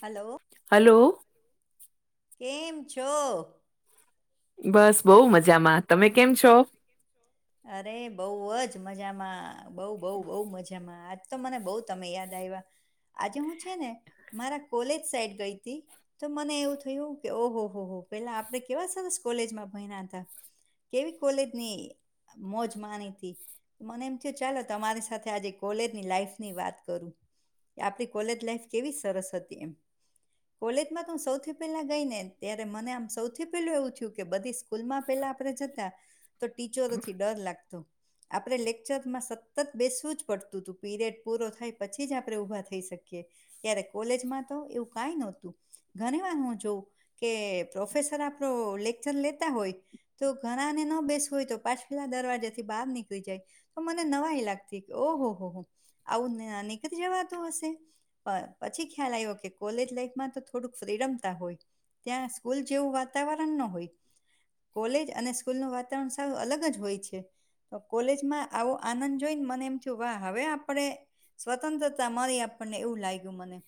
હાલો hello કેમ છો? બસ બહુ મજામાં તમે કેમ છો અરે બઉ જ મજામાં બઉ બઉ બઉ મજામાં આજ તો મને બઉ તમે યાદ આવ્યા આજે હું છે ને મારા કોલેજ સાઈડ ગઈ તી તો મને એવું થયું કે ઓહો હો હો પેલા આપડે કેવા સરસ કોલેજમાં ભયના હતા કેવી કોલેજની મોજ માની હતી મને એમ થયુ ચાલો તમારી સાથે આજે કોલેજની લાઈફ ની વાત કરું કે આપડી કોલેજ લાઈફ કેવી સરસ હતી એમ કોલેજમાં તો હું સૌથી પહેલા ગઈ ને ત્યારે મને આમ સૌથી પેલું એવું થયું કે બધી સ્કૂલ માં પેલા આપેડે જતા તો ટીચરોથી ડર લાગતો આપડે લેકચરમાં સતત બેસવું જ પડતું હતું પીરિયડ પૂરો થાય પછી જ આપડે ઊભા થઈ શકીએ ત્યારે કોલેજમાં તો એવું કઈ નહોતું ઘણી વાર હું જોઉં કે પ્રોફેસર આપડો લેક્ચર લેતા હોય તો ઘણા ને ન બેસવ હોય તો પાછ છલા દરવાજા થી બહાર નીકળી જાય તો મને નવાઈ લાગતી કે ઓહો હો હો આવું નીકળી જવાતું હશે પર પછી ખ્યાલ આયવો કે કોલેજ લાઈફમાં તો થોડુંક ફ્રીડમ તા હોય ત્યાં સ્કૂલ જેવું વાતાવરણ ન હોય કોલેજ અને સ્કૂલનું વાતાવરણ સારું અલગ હોય છે તો કોલેજમાં આવો આનંદ જોઈને મને એમ થયુ વાહ હવે આપડે સ્વતંત્રતા મરી આપણને એવું લાયગું મને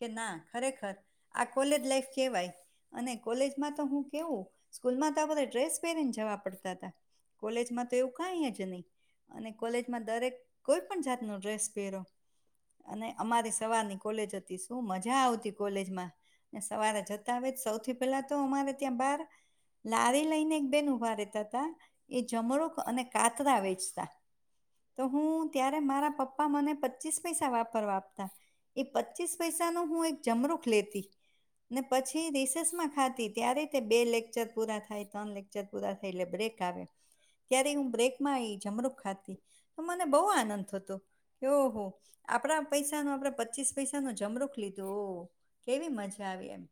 કે ના ખરેખર આ કોલેજ લાઈફ કેવાય અને કોલેજમાં તો હું કેવું સ્કૂલમાં તા બધા ડ્રેસ પહેરીને જવા પડતા હતા કોલેજમાં તો એવું કઈ જ ની અને કોલેજમાં દરેક કોઈ પણ જાત નો ડ્રેસ પહેરો અને અમારી સવારની કોલેજ હતી શું મજા આવતી કોલેજમાં સવારે જતા હોય સૌથી પહેલા તો અમારે ત્યાં બાર લારી લઈને એક બેન ઊભા રહેેતા હતા એ જમરૂક અને કાતરા વેચતા તો હું ત્યારે મારા પપ્પા મને પચીસ પૈસા વાપરવા આપતા એ પચીસ પૈસા નો હું એક જમરૂક લેતી ને પછી રિસેસમાં ખાતી ત્યારે તે બે લેકચર પૂરા થાય ત્રણ લે ચર પુરા થાય એટલે બ્રેક આવેે ત્યારે હું બ્રેકમાં આવીઈ જમરૂક ખાતી તો મને બહુ આનંદ થતો ઓહ આપડા પૈસા નો આપડા પચીસ પૈસા ન જમરૂક લીધું હો કેવી મજા આવી એમ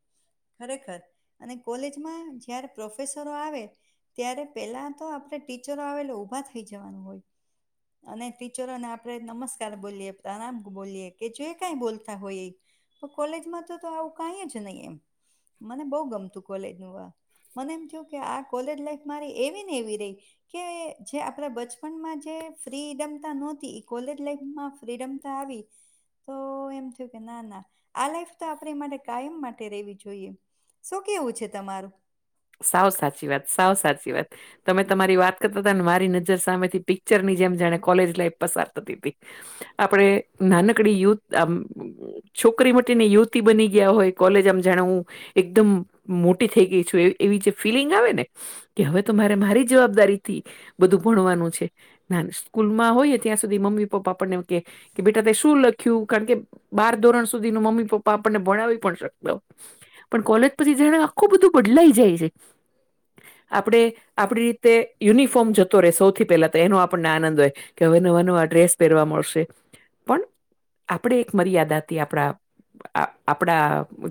ખરેખર અને કોલેજમાં જ્યારે પ્રોફેસરો આવે ત્યારે પહેલાં તો આપડે ટીચરો આવે એટલે ઉભા થઈ જવાનું હોય અને ટીચરોને આપણે નમસ્કાર બોલીએ પ્રણમ બોલીએ કે જો કઈ બોલતા હોય એ કોલેજમાં તો તો આવું કાંઈ જ નહી એમ મને બહુ ગમતું કોલેજ નું મને એમ થયું કે આ કોલેજ લાઈફ મારી એ કે એવી રહી. કે જે આપડ બચપનમાં જે ફ્રીડમ નહતી કોલેજ લાઈફમાં ફ્રીડમ તાવી તો એમ થયું કે ના ના આ લાઈફ તો આપણે એ માટે કાયમ માટે રેવી જોઈએ. શું કેવું છે તમારું. સાવ સાચી વાત સાવ સાચી વાત. તમે તમારી વાત કરતા હતા ને મારી નજર સામે થી પિક્ચર ની જેમ જાણે કોલેજ લાઈફ પસાર થતી હતી. આપડે નાનકડી યુથ આમ છોકરી માટેની યુવતી બની ગયા હોય કોલેજ આમ જાણાવું. એકદમ મોટી થઈ ગઈ છું એવી જે ફિલિંગ આવે ને કે હવે તો મારે મારી જવાબદારીથી બધું ભણવાનું છે. ના સ્કૂલમાં હોયએ ત્યાં સુધી મમ્મી પપ્પા આપણને બેટા તે શું લખ્યું. કારણ કે બાર ધોરણ સુધી ન મમ્મી પપ્પા આપણને ભણાવી પણ શકતો. પણ કોલેજ પછી જાણે આખું બધું બદલાઈ જાય છે. આપણે આપડી રીતે યુનિફોર્મ જતો રહે સૌથી પહેલા તો એનો આપણને આનંદ હોય. કે હવે નવા નવા ડ્રેસ પહેરવા મળશે પણ આપણે એક મર્યાદા હતી આપણા આપડા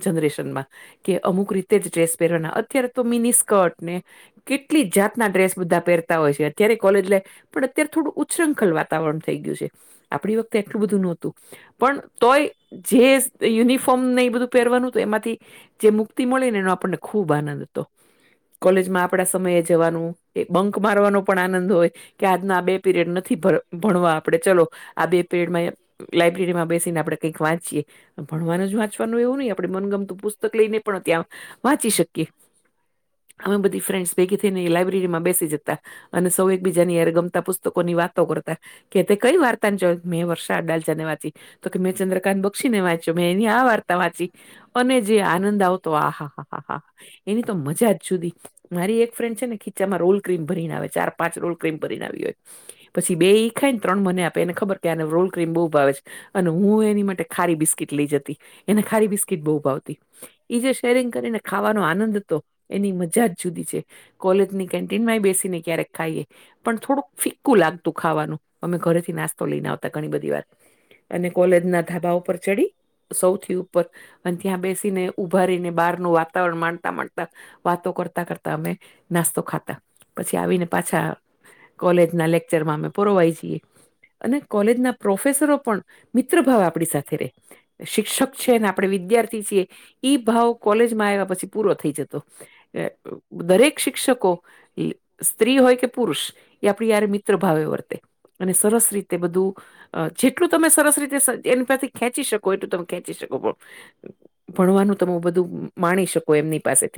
જનરેશનમાં કે અમુક રીતે જ ડ્રેસ પહેરવાના અત્યારે તો મિની સ્કર્ટ ને કેટલી જાતના ડ્રેસ બધા પહેરતા હોય છે અત્યારે કોલેજલે પણ અત્યારે થોડું ઉચ્છ્રંખલ વાતાવરણ થઈ ગયું છે આપણી વખતે એટલું બધું નહોતું. પણ તોય જે યુનિફોર્મ ને બધું પહેરવાનું હતું એમાંથી જે મુક્તિ મળે ને એનો આપણને ખુબ આનંદ હતો. કોલેજમાં આપડા સમયે જવાનું એ બંક મારવાનો પણ આનંદ હોય. કે આજના આ બે પીરિયડ નથી ભણવા આપડે ચલો આ બે પીરિયડમાં લાાઈબ્રેરીમાં બેસીને આપણે કંઈક વાંચીએ ભણવાનું જ વાંચવાનું એવું નહીિ આપણે મનગમતુંત લઈને પણ ત્યાં વાંચી શકીએ. અમે બધી ફ્રેન્સ ભેગી થઈને લાયબ્રેરી માં બેસી જતા. અને સૌ એકબીજા ની યાર ગમતા પુસ્તકો ની વાતો કરતા. કે તે કઈ વાર્તાને જો મેં વર્ષા અડાલ જને વાંચી તો કે મેં ચંદ્રકાંત બક્ષી ને વાંચ્યો મેં એની આ વાર્તા વાંચી. અને જે આનંદ આવતો આ હા હા હા હા એની તો મજા જ જુદી મારી એક ફ્રેન્ડ છે ને ખીચામાં રોલ ક્રીમ ભરીને આવે ચાર પાંચ રોલ ક્રીમ ભરીને આવી હોય. પછી બે ઈ ખાય ને ત્રણ મને આપે એને ખબર કે આને રોલ. બ ભાવે છે અને હું એની માટે ખારી બિસ્કીટ લઈ જતી એને ખારી બિસ્કીટ બહુ ભાવતી. ઈ જે શેરિંગ કરીને ખાવાનો આનંદ હતો એની મજા જ જુદી છે. કોલેજ ની કેન્ટીનમાં એ બેસીને ક્યાં ખાઈએ. પણ થોડુંક ફિકકું લાગતું ખાવાનું અમે ઘરેથી નાસ્તો લઈને આવતા ઘણી બધી વાર. અને કોલેજ ના ધાબા ઉપર ચડી સૌથી ઉપર અને ત્યાં બેશીને ને ઉભારીને બહારનું વાતાવરણ માણતા તા વાતો કરતા કરતા અમે નાસ્તો ખાતા પછી આવીને પાછા કોલેજ ના લેક્ચરમાં અમે પુરવાય છીએ. અને કોલેજના પ્રોફેસરો પણ મિત્ર ભાવ આપણી સાથે રહે. શિક્ષક છે ને આપણેે વિદ્યાર્થી છીએ ઈ ભાવ કોલેજમાં આવ્યા પછી પૂરો થઈ જતો. તો એ દરેક શિક્ષકો સ્ત્રી હોય કે પુરુષ એ આપણી ય્યારે મિત્ર ભાવે વર્તે અને સરસ રીતે બધું. જેટલું તમે સરસ રીતે એની પરથી ખેંચી શકો એટલું તમે ખેંચી શકો પણ ભણવાનું તમે બધું માણી શકો એમની પાસે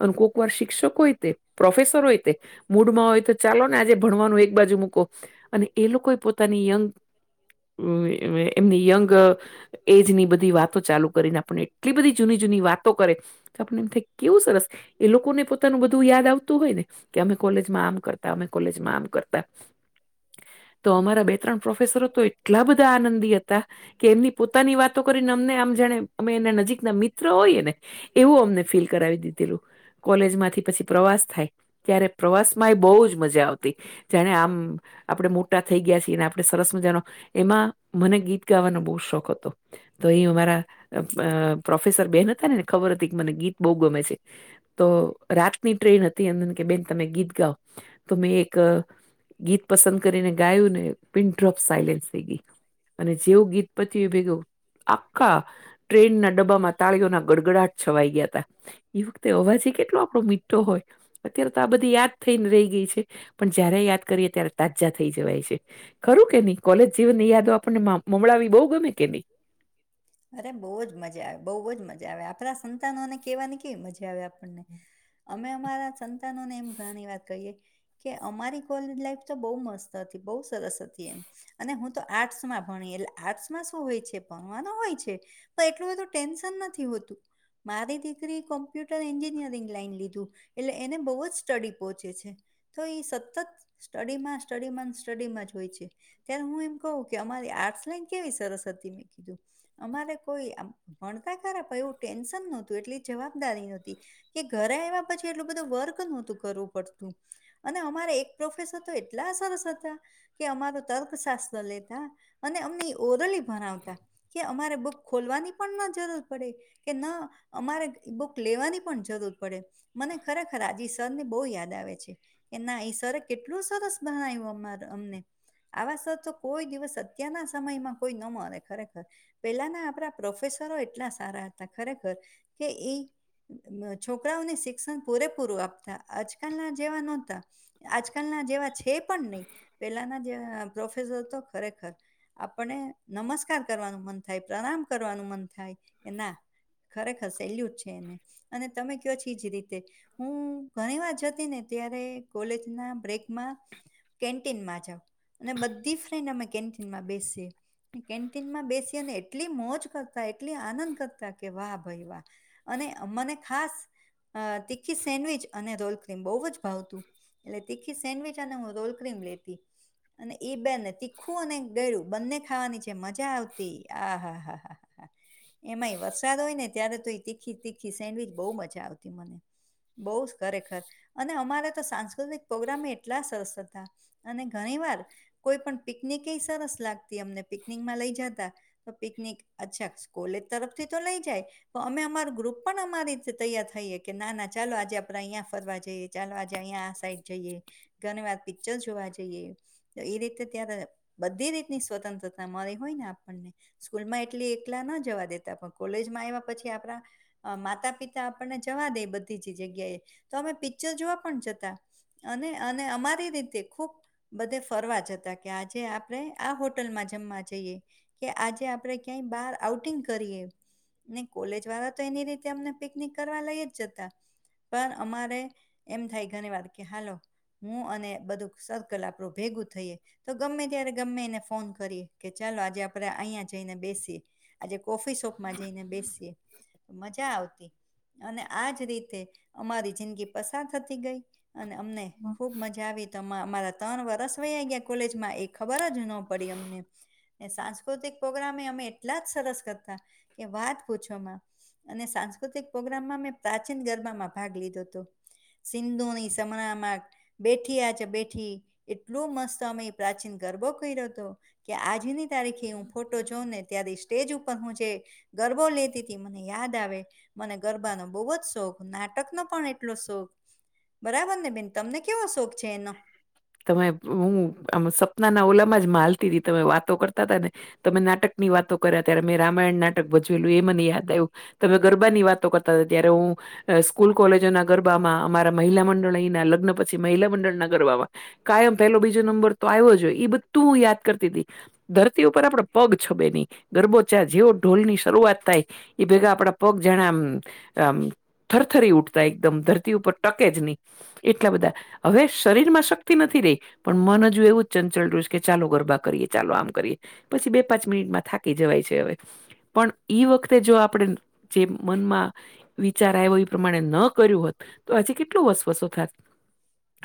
અને કોક વાર શિક્ષકો હોય તે પ્રોફેસર હોય તે મૂડમાં હોય તો ચાલો ને આજે ભણવાનું એક બાજુ મૂકો અને એ લોકોએ પોતાની યંગ એમની યંગ એજ ની બધી વાતો ચાલુ કરીને આપણે. એટલી બધી જૂની જૂની વાતો કરે તો આપને એમ થાય કેવું સરસ એ લોકોને પોતાનું બધું યાદ આવતું હોય ને કે અમે કોલેજમાં આમ કરતા અમે કોલેજમાં આમ કરતા તો અમારા બે ત્રણ પ્રોફેસરો તો એટલા બધા આનંદી હતા કે એમની પોતાની વાતો કરીને અમને આમ જાણે અમે એના નજીક ના મિત્ર હોઈએ ને એવું અમને ફીલ કરાવી દી થી પછી પ્રવાસ થાય ત્યારે પ્રવાસ માં એ બહુ જ મજા આવતી જાણે આમ આપણે મોટા થઈ ગયા છીએ અને આપણે સરસ મજાનો એમાં મને ગીત ગાવાનો બહુ શોખ હતો તો એ અમારા પ્રોફેસર બેન ખબર હતી કેમને ગીત બહુ ગમે છે તો રાતની ટ્રેન હતી એં કે બેન તમે ગીત ગાઓ તમે એક ગીત પસંદ કરીને ગાયું ને પિનડ્રોપ સાયલેન્સ થઈ ગય અને જેવું ગીત પતિયુ એ ભેગું આખા ટ્રેન ના ડબ્બામાં તાળીઓના ગડગડાટ છવાઈ ગયા હતા એ વખતે અવાજે કેટલો આપડો મીઠો હોય અત્યારે તો આ બધી યાદ થઈને રહી ગઈ છે પણ જયારે યાદ કરીએે ત્યારે તાજા થઈ જવાય છે ખરું કે નહી કોલેજ જીન ની યાદો આપણને મળાવી બહુ ગમે કે નહી અરે બહુ જ મજા આવે બહુ જ મજા આવે આપણા સંતાનોને કહેવાની કેવી મજા આવે આપણને અમે અમારા સંતાનોને એમ ઘની વાત કહીએ કે અમારી કોલેજ લાઈફ તો બહુ મસ્ત હતી બહુ સરસ હતી એમ અને હું તો આર્ટસ માં ભણી એટલે આર્ટસમાં શું હોય છે ભણવાનું હોય છે પણ એટલું બધું ટેન્શન નથી હોતું મારી દિગરી કોમ્પ્યુટર એન્જિનિયરિંગ લાઈન લીધું એટલે એને બહુ જ સ્ટડી પહોંચે છે તો એ સતત સ્ટડીમાં સ્ટડીમાં સ્ટડીમાં જ હોય છે ત્યારે હું એમ કવું કે અમારી આર્ટસ લાઈન કેવી સરસ હતી મેં કીધું અમારે કોઈ ભણતા ખરા પણ એવું ટેન્શન નહતું એટલી જવાબદારી નહોતી કે ઘરે આવ્યા પછી એટલું બધું વર્ક નહોતું કરવું પડતું અને અમારે એક પ્રોફેસર તો એટલા સરસ હતા કે અમાર તર્કશાસ્ત્ર લેતા અને અમને ઓરલી ભણાવતા કે અમારે બુક ખોલવાની પણ ના જરૂર પડે કે ના અમારે બુક લેવાની પણ જરૂર પડે મને ખરેખર આજે સર ને બહુ યાદ આવે છે કે ના એ સર કેટલું સરસ ભાડાવ્યું અમાર અમને આવા સર તો કોઈ દિવસ અત્યારના સમયમાં કોઈ ન મળે ખરેખર પેલાના આપણા પ્રોફેસરો એટલા સારા હતા ખરેખર કે એ છોકરાઓને શિક્ષણ પૂરેપૂરું આપતા આજકાલના જેવા નહોતા આજકાલના જેવા છે પણ નહી પેલાના જે પ્રોફેસર તો ખરેખર આપને નમસ્કાર કરવાનું મન થાય પ્રણામ કરવાનું મન થાય કે ના ખરેખર સેલ્યુટ છે એને અને તમે કયો છ એજ રીતે હું ઘણી વાર જતી ને ત્યારે કોલેજ ના બ્રેકમાં કેન્ટીનમાં જાાવ અને બધી કેન્ટીન મા બેસિયે કેન્ટીનમાં બેસી અને એટલી મોજ કરતા એટલી આનંદ કરતા કે વાહ ભાઈ વાહ અને મને ખાસ તીખી અ સેન્ડવીચ અને રોલ ક્રીમ બહુ જ ભાવતું એટલે તીખી સેન્ડવીચ અને હું રોલ ક્રીમ લેતી અને એ બેને તીખું અને ગયળું બંને ખાવાની જે મજા આવતી આ હા એમાંય વરસાદ હોય ને ત્યારે તો એ તીખી તીખી સેન્ડવીચ બહુ મજા આવતી મને બહુ ખરેખર અને અમારા તો સાંસ્કૃતિક પ્રોગ્રામ એટલા સરસ હતા અને ઘણી વાર કોઈ પણ પિકનિક એ સરસ લાગતી અમને પિકનિકમાં લઈ જતા તો પિકનિક અચ્છા કોલેજ તરફથી તો લઈ જાય તો અમે અમાર ગ્રુપ પણ અમારી રીતે તૈયાર થઈએ કે ના ના ચાલો આજે આપડે અહીંયા ફરવા જઈએ ચાલવા આજે અહિયા આ સાઈડ જઈએ, ઘણી વાર પિચર જોવા જઈએ તો એ રીતે ત્યારે બધી રીતની સ્વતંત્રતા મળી હોય ને આપણને સ્કૂલમાં એટલી એકલા ના જવા દેતા પણ કોલેજમાં આવ્યા પછી આપડા માતા પિતા આપણને જવા દે બધી જ જગ્યાએ તો અમે પિચર જોવા પણ જતા અને અને અમારી રીતે ખુબ બધે ફરવા જતા કે આજે આપડે આ હોટલમાં જમવા જઈએ કે આજે આપડે ક્યાંય બહાર આઉટિંગ કરીએ ને કોલેજ વાળા તો એની રીતે અમને પિકનિક કરવા લઈ જ જતા. પણ અમારે એમ થાય ઘણી વાર કે હાલો હું અને બધું સર્કલ આપણું ભેગું થઈએ. તો ગમે ત્યારે ગમે એને ફોન કરીએ, કે ચાલો આજે આપણે અહીંયા જઈને બેસીએ. આજે કોફી શોપમાં જઈને બેસીએ, મજા આવતી. અને આજ રીતે અમારી જિંદગી પસાર થતી ગઈ અને અમને હ ખૂબ મજા આવી તો અમા અમારા ત્રણ વરસ વયા ગયા. કોલેજમાં એ ખબર જ ન પડી અમને. ને સાંસ્કૃતિક પ્રોગ્રામે અમે એટલા જ સરસ કરતા કે વાત પૂછોમાં. અને સાંસ્કૃતિક પ્રોગ્રામમાં મેં પ્રાચીન ગરબામાં ભાગ લીધો તો. સિંધુની સમણા માં બેઠી આ છે બેઠી, એટલું મસ્ત તમે પ્રાચીન ગરબો કયરો તો. કે આજની તારીખે હું ફોટો જોઉં ને ત્યારે સ્ટેજ ઉપર હું જે ગરબો લેતી તી મને યાદ આવે. મને ગરબાનો બહુ જ શોખ, નાટકનો પણ એટલો જ શોખ. બરાબર ને બેન? તમને કેવો શોખ છે એનો? તમે હું આમ સપના ના ઓલામાં જ માં હાલતી તી તમે વાતો કરતા તા ને. તમે નાટક ની વાતો કર્યા ત્યારે મેં રામાયણ નાટક ભજવેલું એ મને યાદ આયવું. તમે ગરબા ની વાતો કરતા તા ત્યારે હું અહ સ્કૂલ, કોલેજો ના ગરબામાં અમારા મહિલા મંડળ અહીંના લગ્ન પછી મહિલા મંડળના ગરબામાં. કાયમ પેલો, બીજો નંબર તો આયવો જ હોય એ બધું હું યાદ કરતી તી. ધરતી ઉપર આપડો પગ છબે નહીં, ગરબો ચા જેવો ઢોલ ની શરૂઆત થાય. ઈ ભેગા આપડા પગ જાણે આમ-આમ થરથરી ઉઠતા એકદમ ધરતી ઉપર ટકે જ નહી, એટલા બધા, હવે શરીરમાં શક નથી રહી, પણ મન જો એવું જ ચંચલ રું છે કે ચાલો ગરબા કરીએ ચાલો આમ કરીએ. પછી બે પાંચ મિનિટમાં થાકી જવાય છે હવે. પણ ઈ વખતે જો આપણે જે મનમાં વિચાર આવ્યો એ પ્રમાણે ન કર્યું હોત, તો આજે કેટલું વસવસો થાય.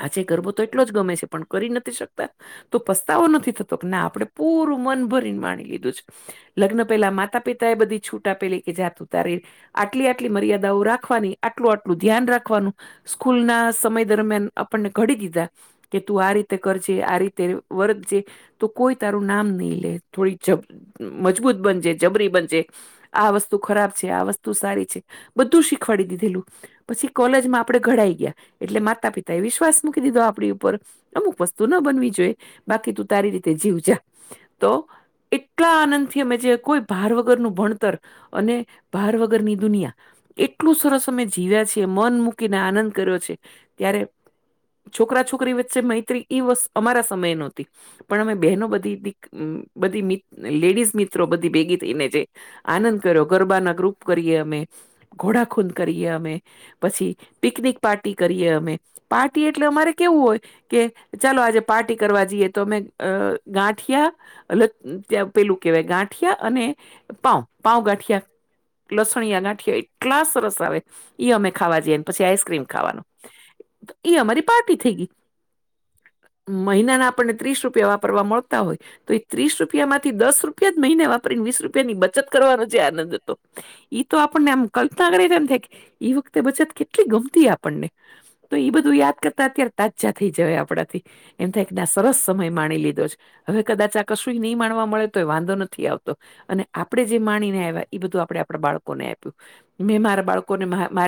આજે ગરબો તો એટલો જ ગમે છે પણ કરી નથી શકતા. તો પસ્તાવો નથી થતો કે ના આપડણે પૂરું મન ભરીને માણી લીધું છે. લગ્ન પેલા માતા પિતા એ બધી છૂટ આપ પેલી કે જાતું તારી આટલી આટલી મર્યાદાઓ રાખવાની આટલું આટલું ધ્યાન રાખવાનું. સ્કૂલ ના સમય દરમિયાન આપણને ઘડી દીધા. તે તું આ રીતે કરજે આ રીતે વરત જે. તો કોઈ તારું નામ નહી લે થોડી જ મજબૂત બનજ જબરી બનજ. આ વસ્તુ ખરાબ છે આ વસ્તુ સારી છે, બધું શીખવાડી દીધેલું. પછી કોલેજમાં આપડે ઘડાઈ ગયા એટલે માતા પિતા એ વિશ્વાસ મૂકી દીધો આપ ઉપર અમુક વસ્તુ ના બનવી જોઈએ બાકી તું તારી રીતે જીવ જા. તો એ એટલા આનંદ થી અમે જે કોઈ ભાર વગર નું ભણતર, અને ભાર વગર ની દુનિયા, એટલું સરસ અમે જીવ્યા છીએ મન મૂકીને આનંદ કર્યો છે, ત્યારે છોકરા છોકરી વચ્ચે મૈત્રી વ અમારા સમયે નહોતી. પણ અમે બહેનો બધી દી બધી લેડીઝ મિત્રો બધી ભેગી થઈને છે આનંદ કર્યો ગરબાના ગ્રુપ કરીએ અમે ઘોડાખૂલ કરીએ અમે પછી પિકનિક પાર્ટી કરીએ અમે પાર્ટી એ ટલે અમારે કેવું ઓય કે ચાલો આજે પાર્ટી કરવા જીએ તો મે અ-અ-અ ગાંઠિયા એલેટ ત્યાં પેલું કહેવાય ગાંઠિયા અને પાઉ. પાઉ ગાંઠિયા લસણિયા ગાંઠ થ્યય એટલા સરસ આવે ઈ અમે ખાવા જીએ પછી આઈસક્રીમ ખાવાનું ઈ અમારી પાર્ટી થેય ગીઈ મહિનાના આપણને ત્રીસ રૂપિયા વાપરવા મળતા હોય ત્રી-ત્રીસ રૂપિયા માંથી દસ રૂપિયા જ મહિને વાપરી વીસ રૂપિયા ની બચત કરવાનો જે આનંદ અતો ઈ તો આપ પણને આમ કલ્પના કરે તો આમ થાઈ ઈવખતે બચત કેટલી ગમતી આપણને તો ઈ બધું ઈ તા અત્યારે તાજ્જા થઈ જવે આપડાથી એમ થાય કદાસ સરસ સમય માણી લીધો છ. હવે કદાચ આ કશુંહી ની માણવા મળે તો વાંધો નથી આવતો. અને આપડે જે માનીને આયવા ઈ બધું આપડે આપડા બાળકોને આયપુ મેં મારા બાળકોને મા-મારી